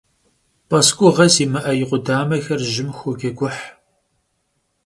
P'esk'uğe zimı'e yi khudamexer jım xoceguh.